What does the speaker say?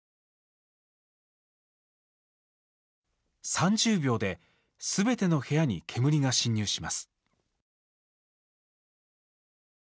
３０秒で、すべての部屋に煙が侵入します。